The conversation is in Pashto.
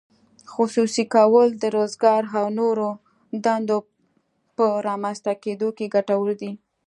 خصوصي کول د روزګار او نوو دندو په رامینځته کیدو کې ګټور دي.